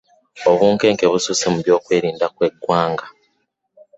Obunkenke bususse mu by'okwerinda by'eggwanga.